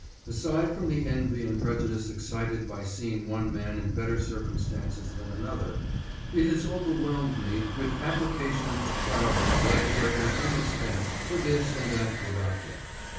Aside from the envy and prejudice excited by seeing one man in better circumstances than another, it has over whelmed me with applications to travel and lecture at my own expense for this and that good object.